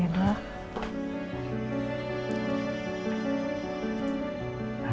terima kasih pak